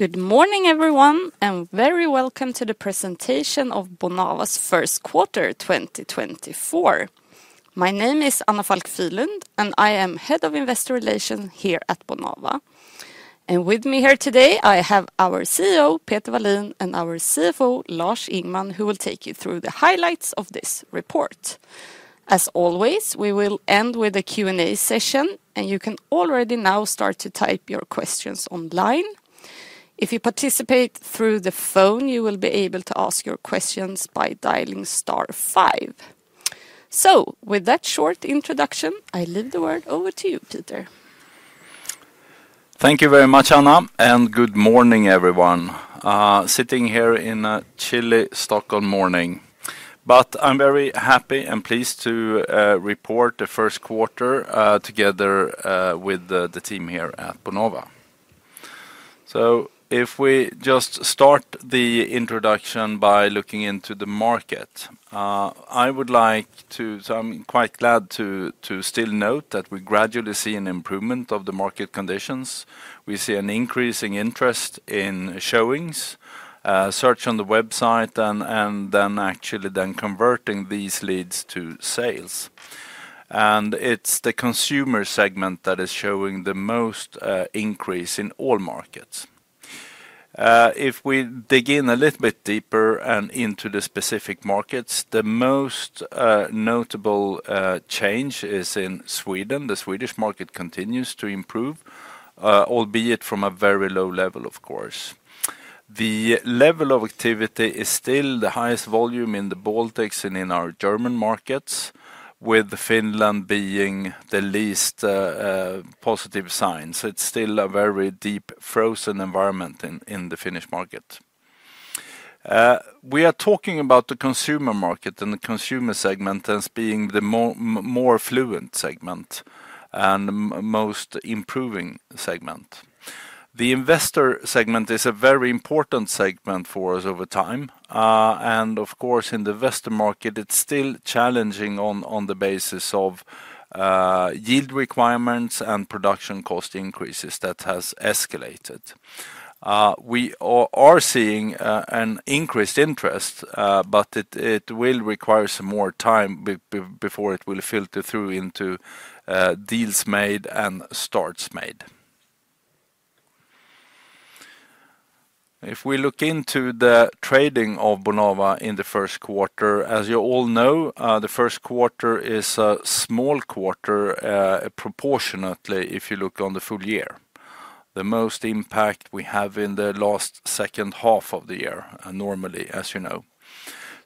Good morning, everyone, and very welcome to the presentation of Bonava's first quarter 2024. My name is Anna Falck Fyhrlund, and I am Head of Investor Relations here at Bonava. With me here today, I have our CEO, Peter Wallin, and our CFO, Lars Ingman, who will take you through the highlights of this report. As always, we will end with a Q&A session, and you can already now start to type your questions online. If you participate through the phone, you will be able to ask your questions by dialing star five. With that short introduction, I leave the word over to you, Peter. Thank you very much, Anna, and good morning, everyone, sitting here in a chilly Stockholm morning. But I'm very happy and pleased to report the first quarter together with the team here at Bonava. So if we just start the introduction by looking into the market, I would like to. So I'm quite glad to still note that we gradually see an improvement of the market conditions. We see an increasing interest in showings, search on the website, and then actually converting these leads to sales. And it's the consumer segment that is showing the most increase in all markets. If we dig in a little bit deeper and into the specific markets, the most notable change is in Sweden. The Swedish market continues to improve, albeit from a very low level, of course. The level of activity is still the highest volume in the Baltics and in our German markets, with Finland being the least positive sign. So it's still a very deep frozen environment in the Finnish market. We are talking about the consumer market and the consumer segment as being the more fluent segment and most improving segment. The investor segment is a very important segment for us over time. And of course, in the Western market, it's still challenging on the basis of yield requirements and production cost increases that has escalated. We are seeing an increased interest, but it will require some more time before it will filter through into deals made and starts made. If we look into the trading of Bonava in the first quarter, as you all know, the first quarter is a small quarter, proportionately if you look on the full year. The most impact we have in the last second half of the year, normally, as you know.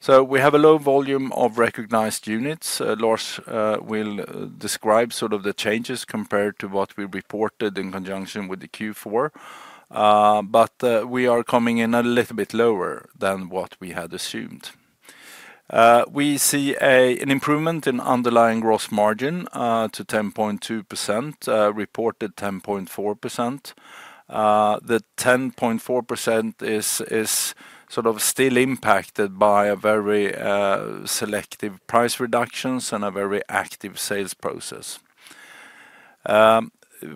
So we have a low volume of recognized units. Lars will describe sort of the changes compared to what we reported in conjunction with the Q4. But we are coming in a little bit lower than what we had assumed. We see an improvement in underlying gross margin, to 10.2%, reported 10.4%. The 10.4% is sort of still impacted by a very selective price reductions and a very active sales process.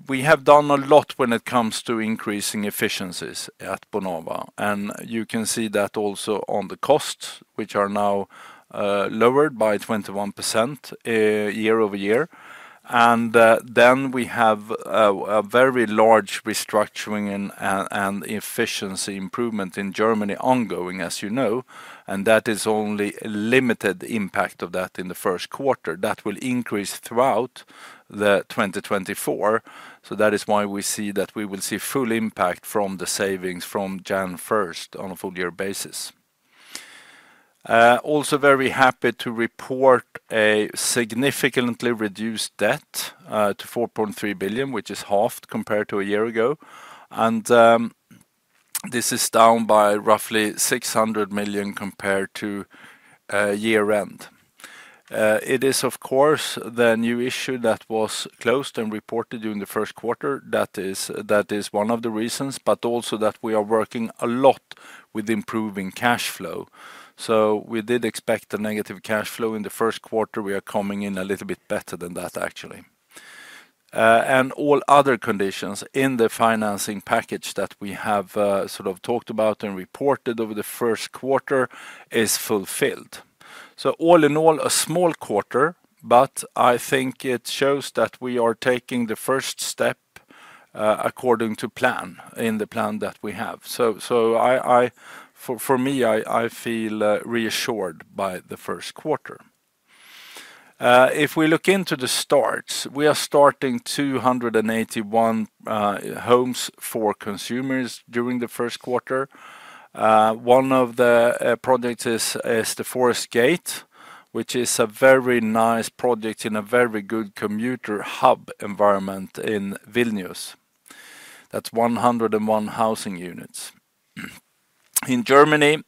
We have done a lot when it comes to increasing efficiencies at Bonava. And you can see that also on the costs, which are now lowered by 21%, year-over-year. Then we have a very large restructuring and efficiency improvement in Germany ongoing, as you know. And that is only a limited impact of that in the first quarter. That will increase throughout 2024. So that is why we see that we will see full impact from the savings from January 1st on a full-year basis. Also very happy to report a significantly reduced debt to 4.3 billion, which is halved compared to a year ago. And this is down by roughly 600 million compared to year-end. It is, of course, the new issue that was closed and reported during the first quarter that is one of the reasons, but also that we are working a lot with improving cash flow. So we did expect a negative cash flow in the first quarter. We are coming in a little bit better than that, actually. All other conditions in the financing package that we have, sort of talked about and reported over the first quarter is fulfilled. So all in all, a small quarter, but I think it shows that we are taking the first step, according to plan in the plan that we have. So, for me, I feel reassured by the first quarter. If we look into the starts, we are starting 281 homes for consumers during the first quarter. One of the projects is the Forest Gate, which is a very nice project in a very good commuter hub environment in Vilnius. That's 101 housing units. In Germany,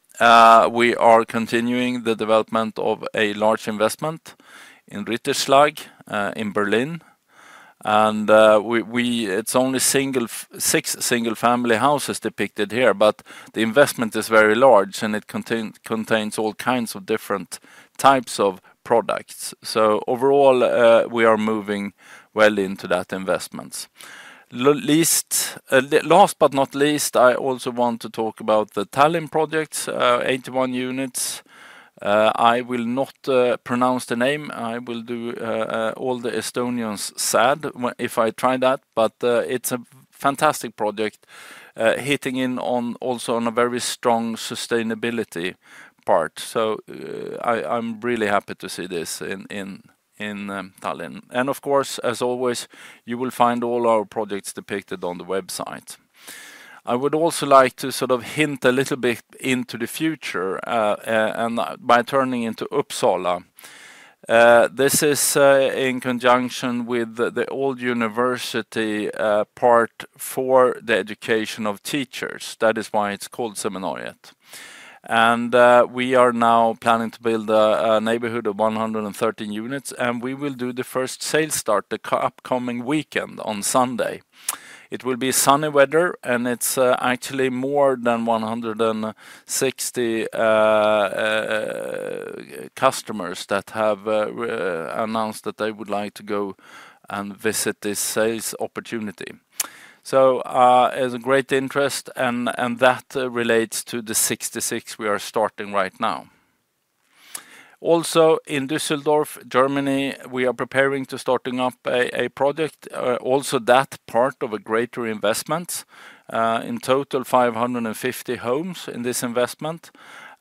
we are continuing the development of a large investment in Ritterschlag, in Berlin. We, it's only six single-family houses depicted here, but the investment is very large, and it contains all kinds of different types of products. So overall, we are moving well into that investment. Least last but not least, I also want to talk about the Tallinn project, 81 units. I will not pronounce the name. I will do all the Estonians sad if I try that. But it's a fantastic project, hitting in on also on a very strong sustainability part. So I'm really happy to see this in Tallinn. And of course, as always, you will find all our projects depicted on the website. I would also like to sort of hint a little bit into the future, and by turning into Uppsala. This is in conjunction with the old university part for the education of teachers. That is why it's called Seminariet. We are now planning to build a neighborhood of 113 units, and we will do the first sales start the upcoming weekend on Sunday. It will be sunny weather, and it's actually more than 160 customers that have announced that they would like to go and visit this sales opportunity. So, there's a great interest, and that relates to the 66 we are starting right now. Also, in Düsseldorf, Germany, we are preparing to start up a project, also as part of a greater investment, in total, 550 homes in this investment.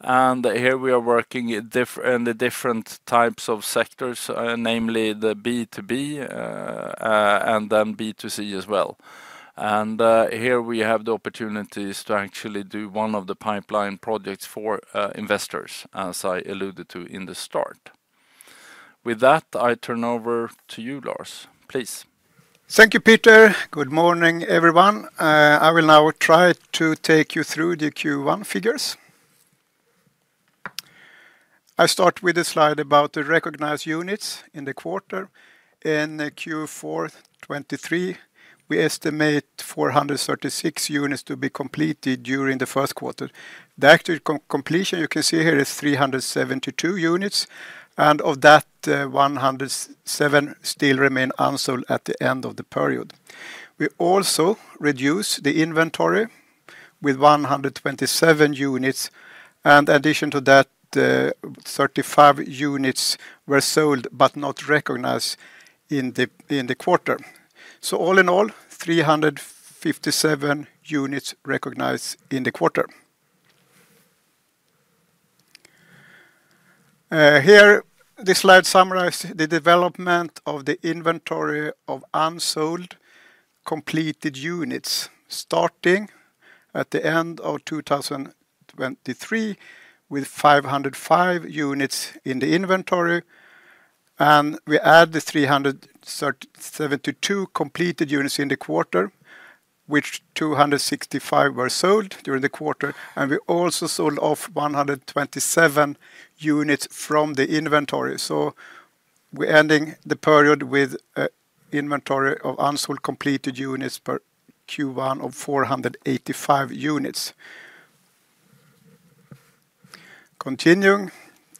And here we are working differently in the different types of sectors, namely the B2B, and then B2C as well. And here we have the opportunities to actually do one of the pipeline projects for investors, as I alluded to in the start. With that, I turn over to you, Lars. Please. Thank you, Peter. Good morning, everyone. I will now try to take you through the Q1 figures. I start with a slide about the recognized units in the quarter. In Q4 2023, we estimate 436 units to be completed during the first quarter. The actual completion you can see here is 372 units. And of that, 107 still remain unsold at the end of the period. We also reduce the inventory with 127 units. And in addition to that, 35 units were sold but not recognized in the quarter. So all in all, 357 units recognized in the quarter. Here, this slide summarizes the development of the inventory of unsold completed units starting at the end of 2023 with 505 units in the inventory. And we add the 372 completed units in the quarter, of which 265 were sold during the quarter. We also sold off 127 units from the inventory. So we're ending the period with inventory of unsold completed units per Q1 of 485 units. Continuing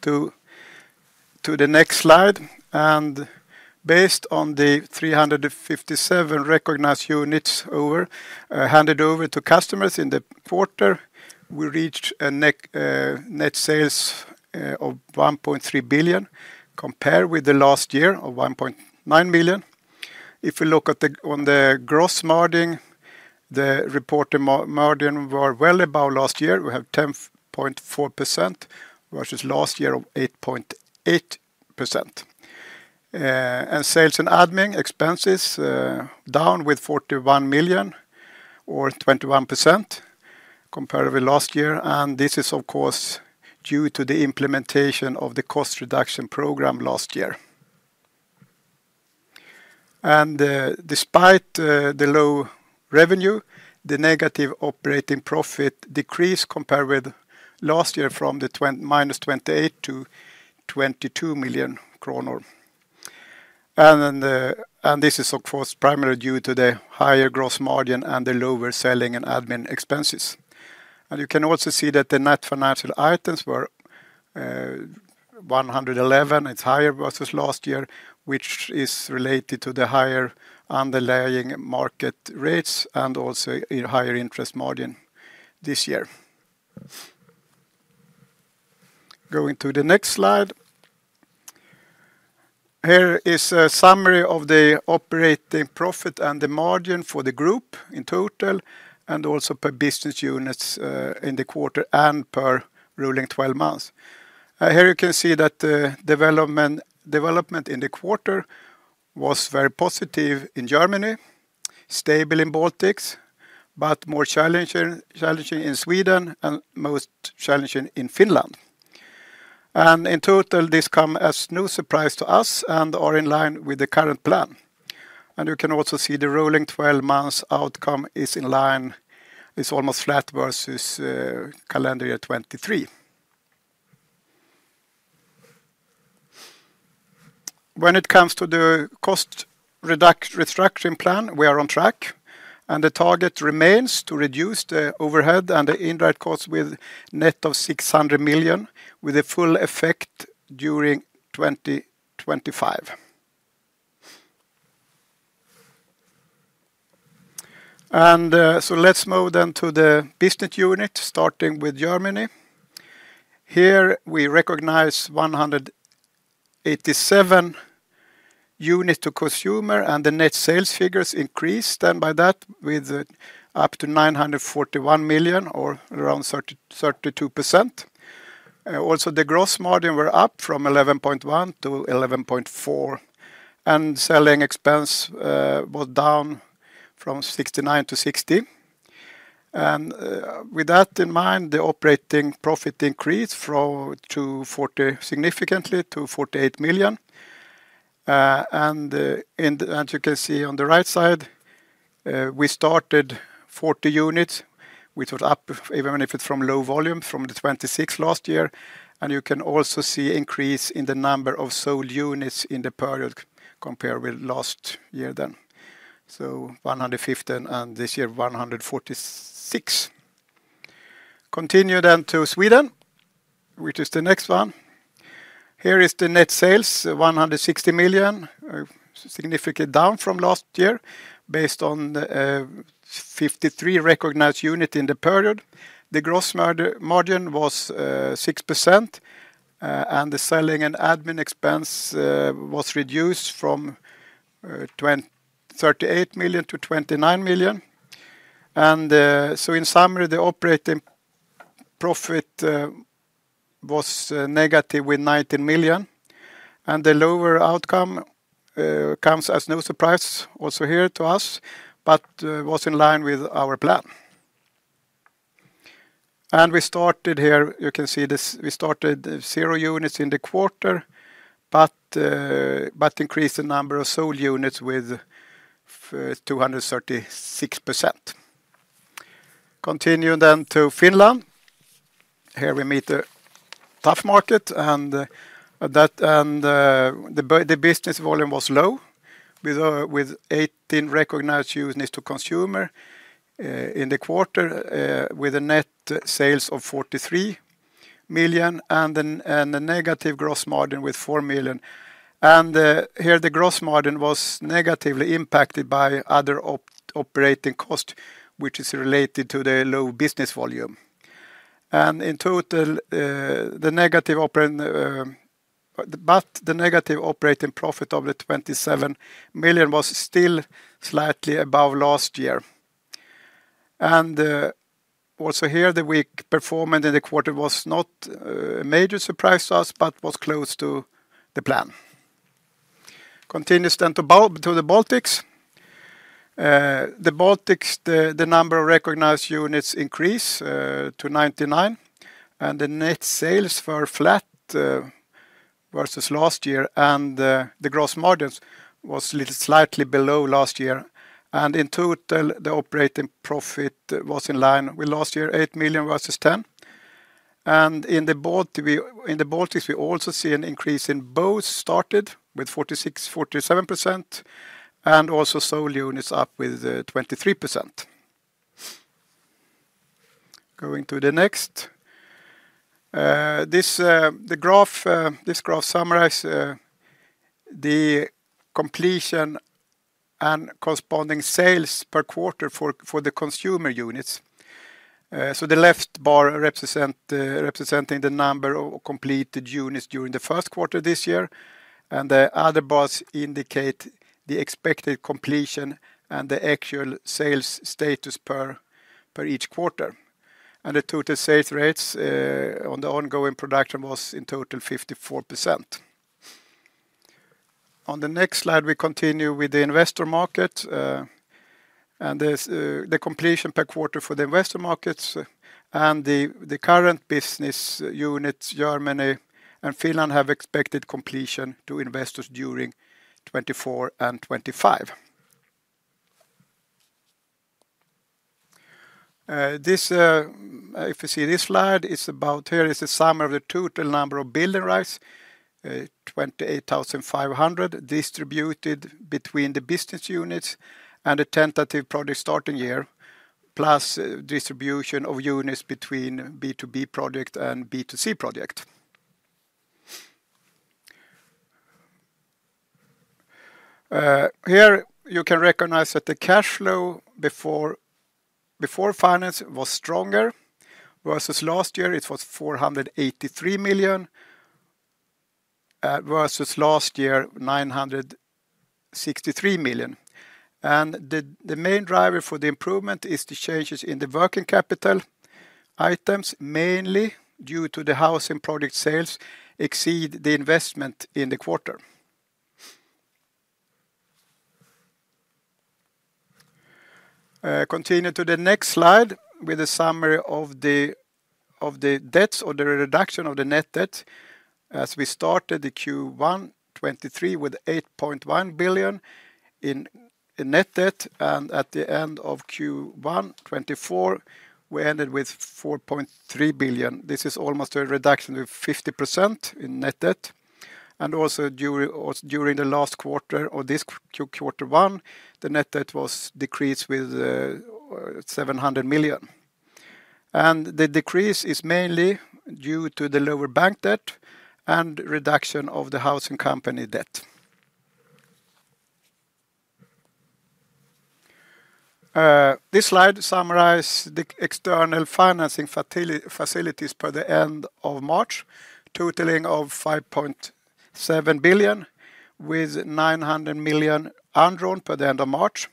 to the next slide. Based on the 357 recognized units handed over to customers in the quarter, we reached a net sales of 1.3 billion compared with last year of 1.9 million. If we look at the gross margin, the reported margin were well above last year. We have 10.4% versus last year of 8.8%. And sales and admin expenses down with 41 million or 21% compared with last year. And this is of course due to the implementation of the cost reduction program last year. And despite the low revenue, the negative operating profit decreased compared with last year from the -28 to 22 million kronor. This is, of course, primarily due to the higher gross margin and the lower selling and admin expenses. You can also see that the net financial items were 111. It's higher versus last year, which is related to the higher underlying market rates and also a higher interest margin this year. Going to the next slide. Here is a summary of the operating profit and the margin for the group in total and also per business units, in the quarter and per rolling 12 months. Here you can see that the development in the quarter was very positive in Germany, stable in Baltics, but more challenging in Sweden and most challenging in Finland. In total, this come as no surprise to us and are in line with the current plan. You can also see the rolling 12 months outcome is in line is almost flat versus calendar year 2023. When it comes to the cost reduction restructuring plan, we are on track. The target remains to reduce the overhead and the indirect costs by net of 600 million with a full effect during 2025. So let's move then to the business unit starting with Germany. Here we recognize 187 units to consumer, and the net sales figures increased then by that with up to 941 million or around 30%-32%. Also the gross margin was up from 11.1% to 11.4%. And selling expense was down from 69 million to 60 million. And with that in mind, the operating profit increased from -40 significantly to 48 million. And, as you can see on the right side, we started 40 units, which was up even if it's from low volume from the 26 last year. And you can also see increase in the number of sold units in the period compared with last year then. So 115 and this year 146. Continue then to Sweden, which is the next one. Here is the net sales, 160 million, significantly down from last year based on 53 recognized units in the period. The gross margin was 6%. And the selling and admin expense was reduced from 38 million to 29 million. And so in summary, the operating profit was negative with 19 million. And the lower outcome comes as no surprise also here to us but was in line with our plan. We started here. You can see this. We started 0 units in the quarter but increased the number of sold units with 236%. Continue then to Finland. Here we meet the tough market. And the business volume was low with 18 recognized units to consumer in the quarter, with net sales of 43 million and a negative gross margin with 4 million. And here the gross margin was negatively impacted by other operating cost, which is related to the low business volume. And in total, the negative operating profit of 27 million was still slightly above last year. And also here the weak performance in the quarter was not a major surprise to us but was close to the plan. Continues then to the Baltics. In the Baltics, the number of recognized units increased to 99. And the net sales were flat versus last year. And the gross margins was a little slightly below last year. And in total, the operating profit was in line with last year, 8 million versus 10 million. And in the Baltics, we also see an increase in both started units up 47% and also sold units up 23%. Going to the next. This graph summarizes the completion and corresponding sales per quarter for the consumer units. So the left bar representing the number of completed units during the first quarter this year. And the other bars indicate the expected completion and the actual sales status per each quarter. And the total sales rates on the ongoing production was in total 54%. On the next slide, we continue with the investor market. There's the completion per quarter for the investor markets. The current business units, Germany and Finland, have expected completion to investors during 2024 and 2025. This if you see this slide, it's about here is the summary of the total number of building rights, 28,500 distributed between the business units and the tentative project starting year plus distribution of units between B2B project and B2C project. Here you can recognize that the cash flow before finance was stronger versus last year. It was 483 million versus last year 963 million. The main driver for the improvement is the changes in the working capital items mainly due to the housing project sales exceed the investment in the quarter. Continue to the next slide with a summary of the debt or the reduction of the net debt as we started Q1 2023 with 8.1 billion in net debt. And at the end of Q1 2024, we ended with 4.3 billion. This is almost a reduction with 50% in net debt. And also during the last quarter or this Q1, the net debt was decreased with 700 million. And the decrease is mainly due to the lower bank debt and reduction of the housing company debt. This slide summarizes the external financing facilities per the end of March, totaling 5.7 billion with 900 million undrawn per the end of March.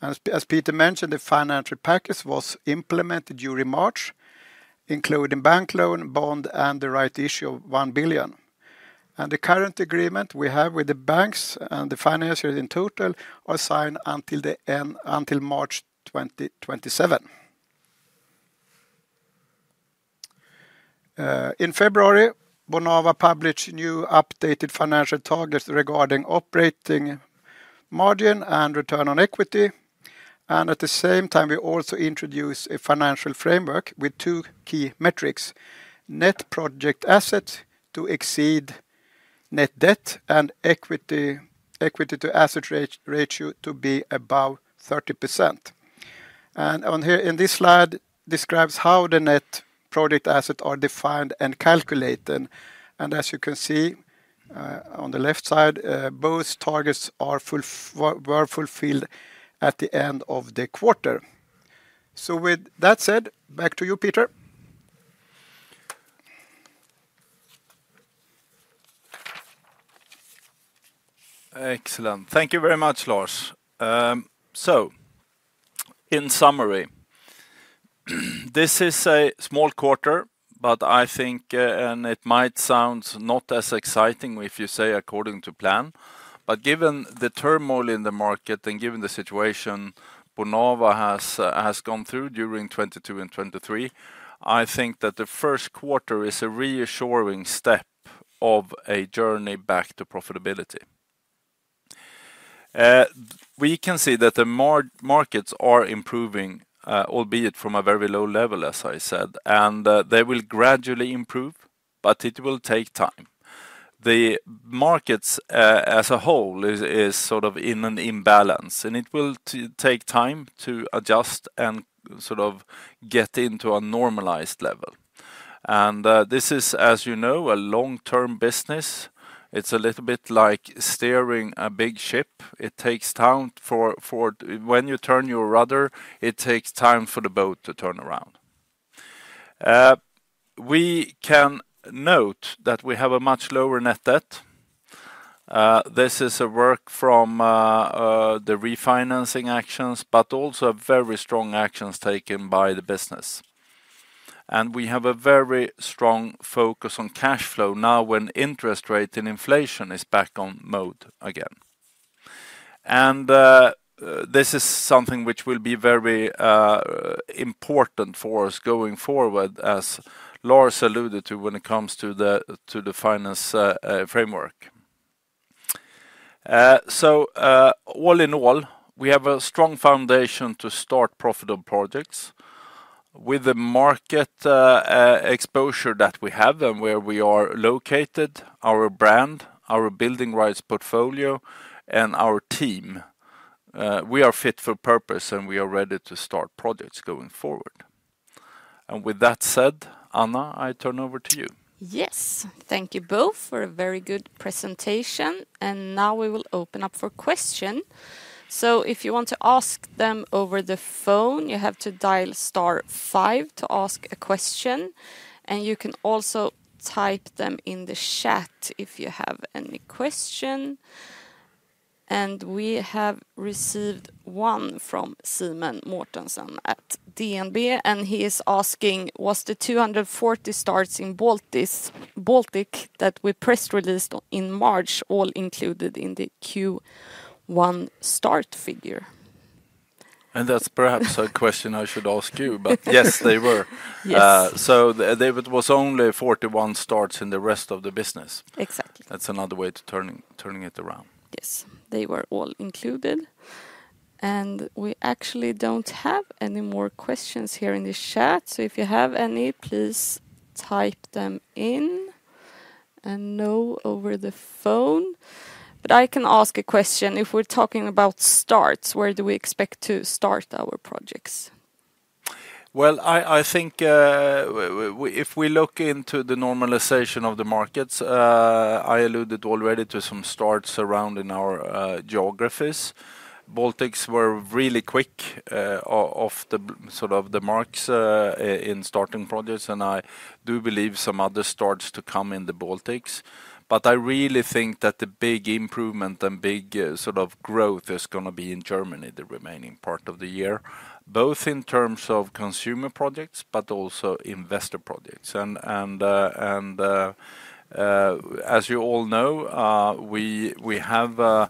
And as Peter mentioned, the financial package was implemented during March, including bank loan, bond, and the rights issue of 1 billion. The current agreement we have with the banks and the financiers in total are signed until the end until March 2027. In February, Bonava published new updated financial targets regarding operating margin and return on equity. At the same time, we also introduced a financial framework with two key metrics: net project assets to exceed net debt and equity equity to asset ratio to be above 30%. On here in this slide describes how the net project assets are defined and calculated. As you can see, on the left side, both targets are fulfilled at the end of the quarter. So with that said, back to you, Peter. Excellent. Thank you very much, Lars. So in summary, this is a small quarter, but I think and it might sound not as exciting if you say according to plan. But given the turmoil in the market and given the situation Bonava has gone through during 2022 and 2023, I think that the first quarter is a reassuring step of a journey back to profitability. We can see that the markets are improving, albeit from a very low level, as I said. They will gradually improve, but it will take time. The markets, as a whole is sort of in an imbalance. It will take time to adjust and sort of get into a normalized level. This is, as you know, a long-term business. It's a little bit like steering a big ship. It takes time for when you turn your rudder, it takes time for the boat to turn around. We can note that we have a much lower net debt. This is the result of the refinancing actions but also very strong actions taken by the business. And we have a very strong focus on cash flow now when interest rate and inflation is back on mode again. And this is something which will be very important for us going forward as Lars alluded to when it comes to the financial framework. So, all in all, we have a strong foundation to start profitable projects with the market exposure that we have and where we are located, our brand, our building rights portfolio, and our team. We are fit for purpose and we are ready to start projects going forward. And with that said, Anna, I turn over to you. Yes. Thank you both for a very good presentation. And now we will open up for questions. So if you want to ask them over the phone, you have to dial star five to ask a question. And you can also type them in the chat if you have any questions. And we have received one from Simen Mortensen at DNB. And he is asking, was the 240 starts in the Baltic that we press released in March all included in the Q1 start figure? And that's perhaps a question I should ask you, but yes, they were. Yes. So there it was only 41 starts in the rest of the business. Exactly. That's another way of turning it around. Yes. They were all included. And we actually don't have any more questions here in the chat. So if you have any, please type them in. And no over the phone. But I can ask a question. If we're talking about starts, where do we expect to start our projects? Well, I think, if we look into the normalization of the markets, I alluded already to some starts around in our geographies. Baltics were really quick, off the sort of the marks, in starting projects. And I do believe some other starts to come in the Baltics. But I really think that the big improvement and big sort of growth is going to be in Germany the remaining part of the year, both in terms of consumer projects but also investor projects. And, as you all know, we have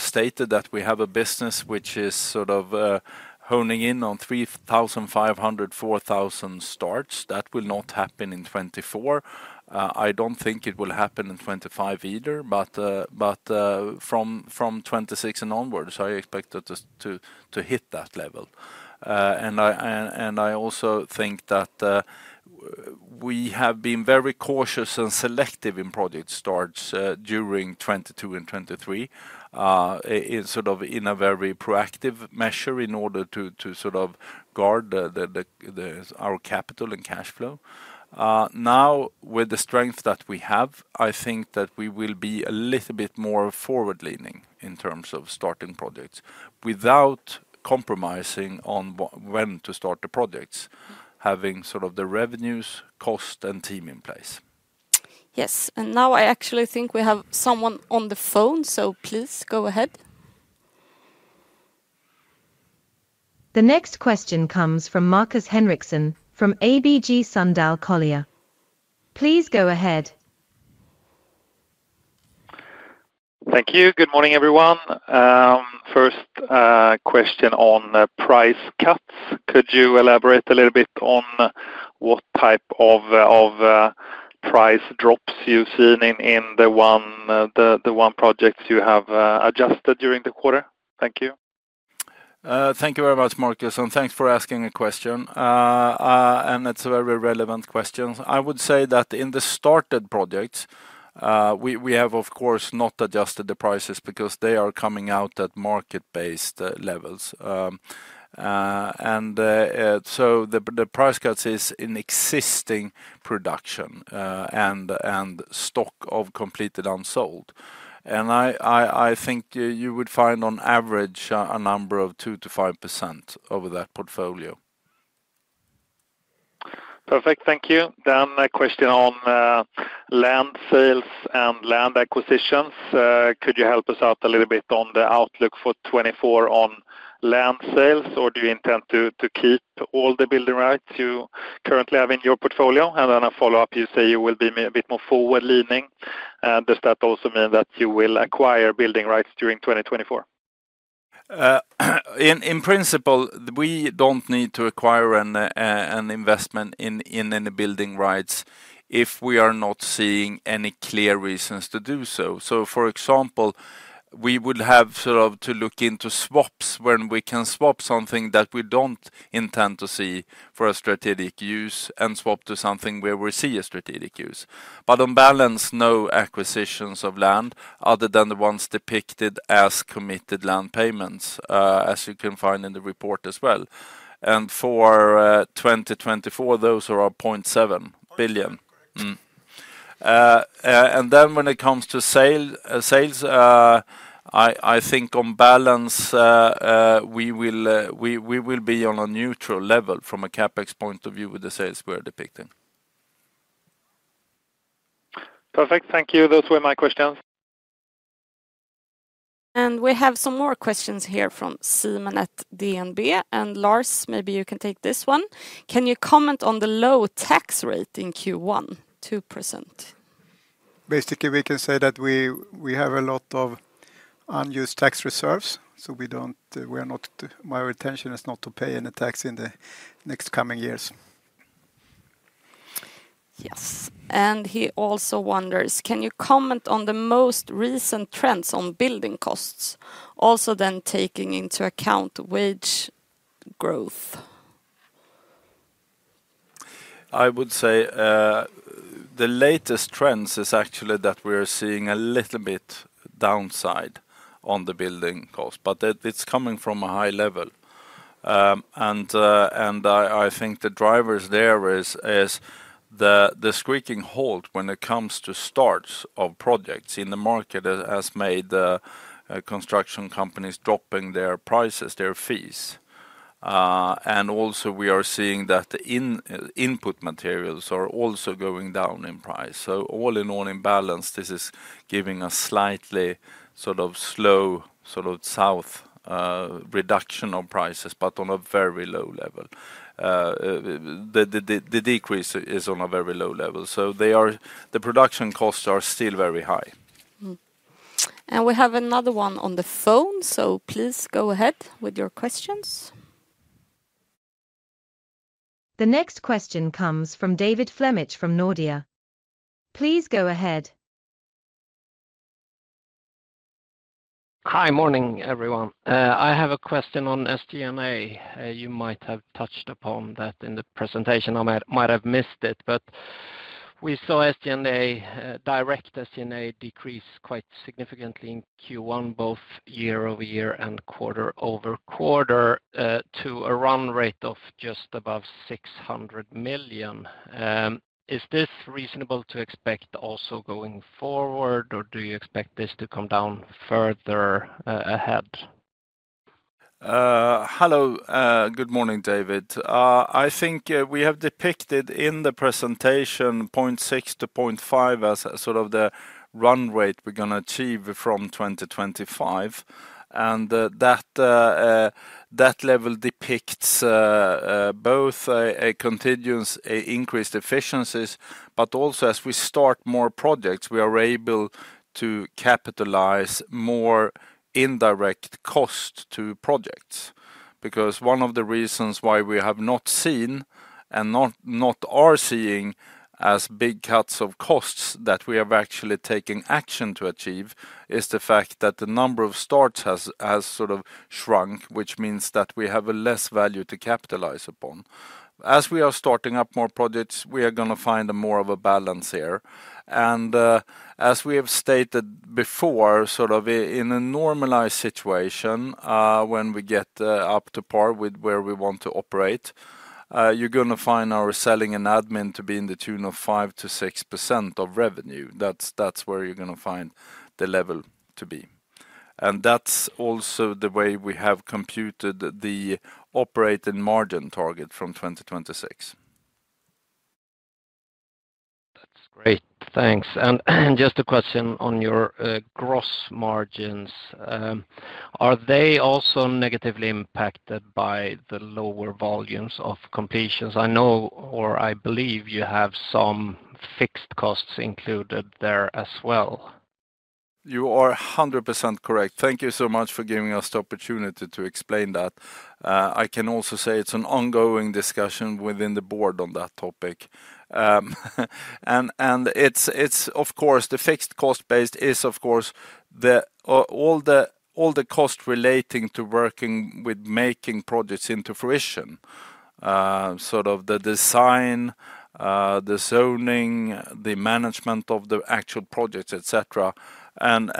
stated that we have a business which is sort of, honing in on 3,500-4,000 starts. That will not happen in 2024. I don't think it will happen in 2025 either, but from 2026 and onwards, I expect that to hit that level. And I also think that we have been very cautious and selective in project starts during 2022 and 2023, in sort of a very proactive measure in order to sort of guard our capital and cash flow. Now with the strength that we have, I think that we will be a little bit more forward-leaning in terms of starting projects without compromising on when to start the projects, having sort of the revenues, cost, and team in place. Yes. And now I actually think we have someone on the phone, so please go ahead. The next question comes from Markus Henriksson from ABG Sundal Collier. Please go ahead. Thank you. Good morning, everyone. First, question on price cuts. Could you elaborate a little bit on what type of price drops you've seen in the one projects you have adjusted during the quarter? Thank you. Thank you very much, Marcus. Thanks for asking a question. It's a very relevant question. I would say that in the started projects, we have, of course, not adjusted the prices because they are coming out at market-based levels. So the price cuts is in existing production, and stock of completed unsold. And I think you would find on average a number of 2%-5% over that portfolio. Perfect. Thank you. Then a question on land sales and land acquisitions. Could you help us out a little bit on the outlook for 2024 on land sales, or do you intend to keep all the building rights you currently have in your portfolio? And then a follow-up, you say you will be a bit more forward-leaning. And does that also mean that you will acquire building rights during 2024? In principle, we don't need to acquire an investment in any building rights if we are not seeing any clear reasons to do so. So for example, we would have sort of to look into swaps when we can swap something that we don't intend to see for a strategic use and swap to something where we see a strategic use. But on balance, no acquisitions of land other than the ones depicted as committed land payments, as you can find in the report as well. For 2024, those are 0.7 billion. And then when it comes to sales, I think on balance, we will be on a neutral level from a CapEx point of view with the sales we are depicting. Perfect. Thank you. Those were my questions. And we have some more questions here from Simen at DNB. And Lars, maybe you can take this one. Can you comment on the low tax rate in Q1, 2%? Basically, we can say that we have a lot of unused tax reserves. So we are not; our intention is not to pay any tax in the coming years. Yes. And he also wonders, can you comment on the most recent trends on building costs, also then taking into account wage growth? I would say, the latest trends is actually that we are seeing a little bit downside on the building cost, but it's coming from a high level. And I think the drivers there is the screeching halt when it comes to starts of projects in the market has made the construction companies dropping their fees. And also we are seeing that the input materials are also going down in price. So all in all, in balance, this is giving a slightly sort of slow sort of southward reduction of prices but on a very low level. The decrease is on a very low level. So the production costs are still very high. And we have another one on the phone, so please go ahead with your questions. The next question comes from David Flemmich from Nordea. Please go ahead. Hi. Morning, everyone. I have a question on SG&A. You might have touched upon that in the presentation. I might have missed it, but we saw SG&A, direct SG&A, decrease quite significantly in Q1, both year-over-year and quarter-over-quarter, to a run rate of just above 600 million. Is this reasonable to expect also going forward, or do you expect this to come down further ahead? Hello. Good morning, David. I think we have depicted in the presentation 0.6-0.5 as sort of the run rate we're going to achieve from 2025. And that, that level depicts, both a continuous increased efficiencies but also as we start more projects, we are able to capitalize more indirect cost to projects. Because one of the reasons why we have not seen and are not seeing as big cuts of costs that we have actually taken action to achieve is the fact that the number of starts has sort of shrunk, which means that we have less value to capitalize upon. As we are starting up more projects, we are going to find more of a balance here. And, as we have stated before, sort of in a normalized situation, when we get up to par with where we want to operate, you're going to find our selling and admin to be in the tune of 5%-6% of revenue. That's where you're going to find the level to be. And that's also the way we have computed the operating margin target from 2026. That's great. Thanks. And just a question on your gross margins. Are they also negatively impacted by the lower volumes of completions? I know or I believe you have some fixed costs included there as well. You are 100% correct. Thank you so much for giving us the opportunity to explain that. I can also say it's an ongoing discussion within the board on that topic. And it's of course the fixed cost base is, of course, all the costs relating to working with making projects into fruition, sort of the design, the zoning, the management of the actual projects, et cetera. And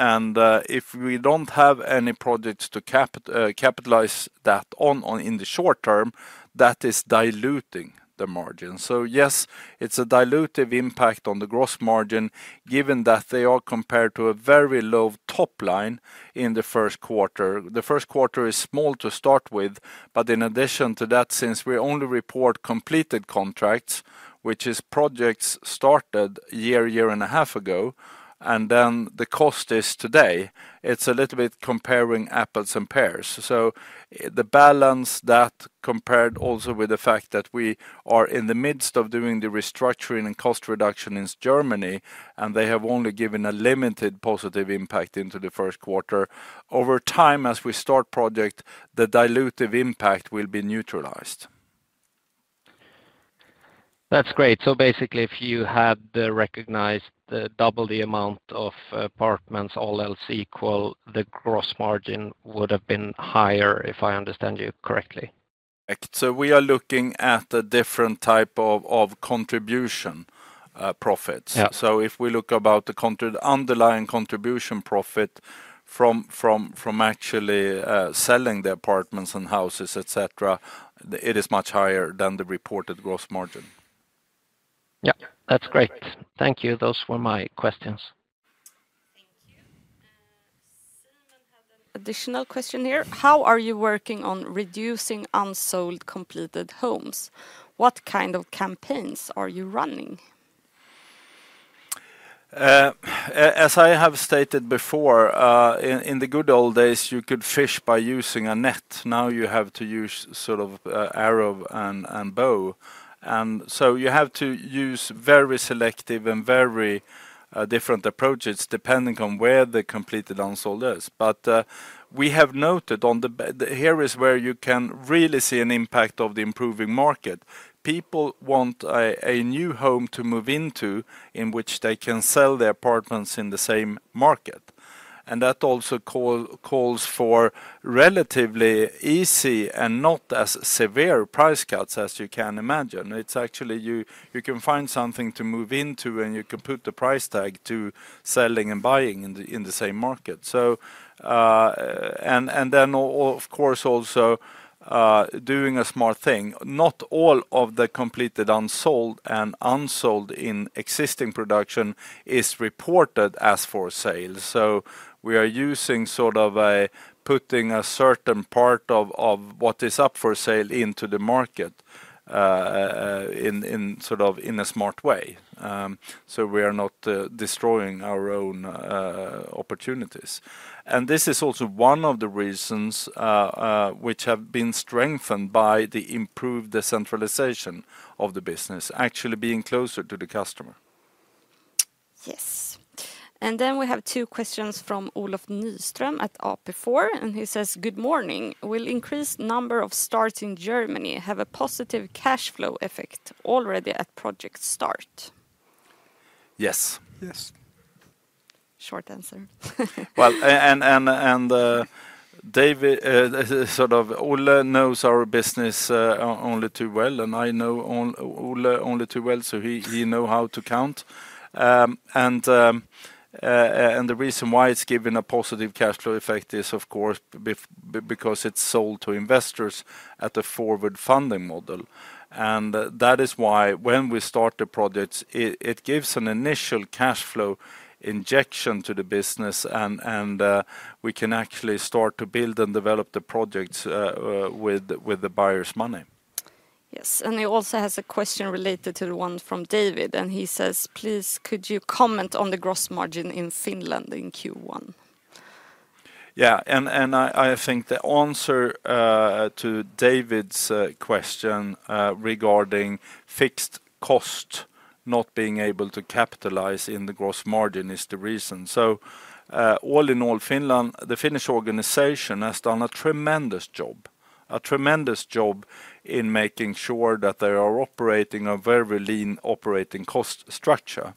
if we don't have any projects to capitalize that on in the short term, that is diluting the margin. So yes, it's a dilutive impact on the gross margin given that they are compared to a very low top line in the first quarter. The first quarter is small to start with. But in addition to that, since we only report completed contracts, which is projects started a year, a year and a half ago, and then the cost is today, it's a little bit comparing apples and pears. So the balance that compared also with the fact that we are in the midst of doing the restructuring and cost reduction in Germany, and they have only given a limited positive impact into the first quarter, over time, as we start projects, the dilutive impact will be neutralized. That's great. So basically, if you had recognized double the amount of apartments all else equal, the gross margin would have been higher, if I understand you correctly. Correct. So we are looking at a different type of contribution profits. So if we look about the underlying contribution profit from actually selling the apartments and houses, et cetera, it is much higher than the reported gross margin. Yep. That's great. Thank you. Those were my questions. Thank you. Simen Mortensen had an additional question here. How are you working on reducing unsold completed homes? What kind of campaigns are you running? As I have stated before, in the good old days, you could fish by using a net. Now you have to use sort of arrow and bow. And so you have to use very selective and very different approaches depending on where the completed unsold is. But we have noted on the here is where you can really see an impact of the improving market. People want a new home to move into in which they can sell their apartments in the same market. And that also calls for relatively easy and not as severe price cuts as you can imagine. It's actually you can find something to move into, and you can put the price tag to selling and buying in the same market. So, and then, of course, also doing a smart thing. Not all of the completed unsold and unsold in existing production is reported as for sale. So we are using sort of putting a certain part of what is up for sale into the market, in sort of a smart way. So we are not destroying our own opportunities. And this is also one of the reasons, which have been strengthened by the improved decentralization of the business, actually being closer to the customer. Yes. And then we have two questions from Olof Nyström at AP4. And he says, "Good morning. Will increased number of starts in Germany have a positive cash flow effect already at project start?" Yes. Yes. Short answer. Well, and David, sort of Olof knows our business only too well, and I know Olof only too well, so he knows how to count. And the reason why it's given a positive cash flow effect is, of course, because it's sold to investors at a forward funding model. And that is why when we start the projects, it gives an initial cash flow injection to the business, and we can actually start to build and develop the projects with the buyer's money. Yes. And he also has a question related to the one from David. And he says, "Please, could you comment on the gross margin in Finland in Q1?" Yeah. I think the answer to David's question regarding fixed cost not being able to capitalize in the gross margin is the reason. So, all in all, Finland, the Finnish organization has done a tremendous job, a tremendous job in making sure that they are operating a very lean operating cost structure.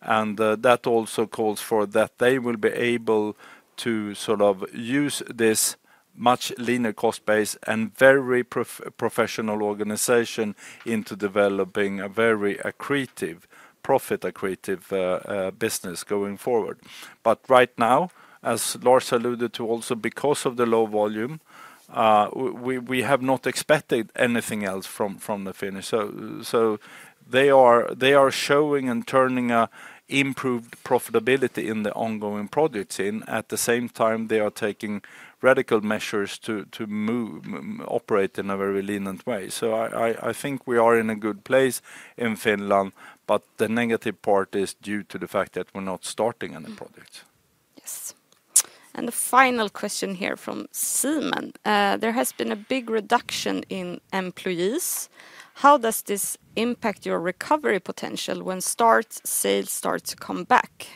And that also calls for that they will be able to sort of use this much leaner cost base and very professional organization into developing a very accretive, profit-accretive business going forward. But right now, as Lars alluded to, also because of the low volume, we have not expected anything else from the Finnish. So they are showing and turning an improved profitability in the ongoing projects. At the same time, they are taking radical measures to operate in a very lean way. So I think we are in a good place in Finland, but the negative part is due to the fact that we're not starting any projects. Yes. And the final question here from Simen. There has been a big reduction in employees. How does this impact your recovery potential when starts sales start to come back?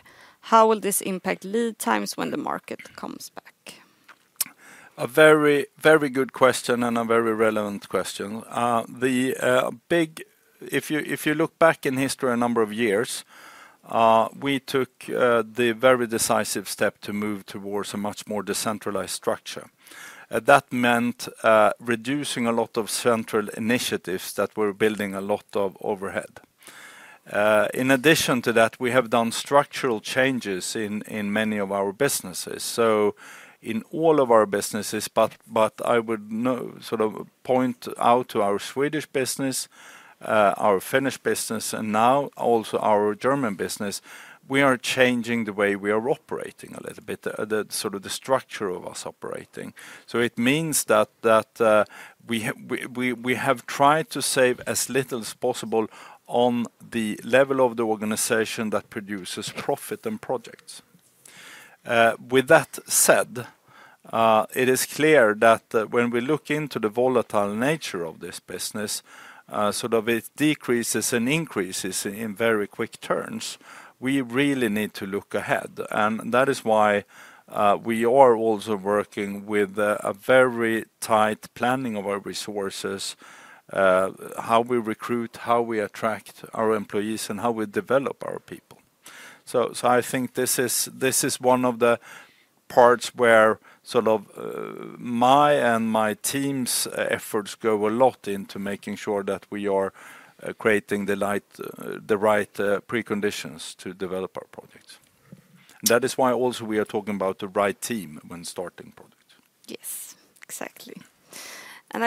How will this impact lead times when the market comes back? A very, very good question and a very relevant question. The big, if you look back in history a number of years, we took the very decisive step to move towards a much more decentralized structure. That meant reducing a lot of central initiatives that were building a lot of overhead. In addition to that, we have done structural changes in many of our businesses. So in all of our businesses, but I would sort of point out to our Swedish business, our Finnish business, and now also our German business, we are changing the way we are operating a little bit, the sort of structure of us operating. So it means that, we have tried to save as little as possible on the level of the organization that produces profit and projects. With that said, it is clear that when we look into the volatile nature of this business, sort of it decreases and increases in very quick turns, we really need to look ahead. And that is why, we are also working with a very tight planning of our resources, how we recruit, how we attract our employees, and how we develop our people. So I think this is one of the parts where sort of, me and my team's efforts go a lot into making sure that we are creating the right preconditions to develop our projects. That is why also we are talking about the right team when starting projects. Yes. Exactly.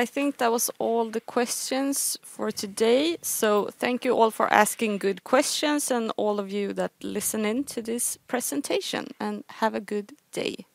I think that was all the questions for today. Thank you all for asking good questions and all of you that listen in to this presentation. Have a good day.